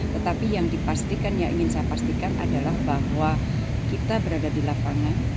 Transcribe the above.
tetapi yang dipastikan yang ingin saya pastikan adalah bahwa kita berada di lapangan